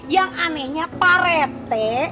yang anehnya pak rete